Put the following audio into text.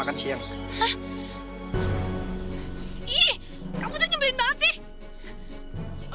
ih kamu tuh nyebelin banget sih